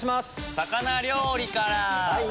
魚料理から。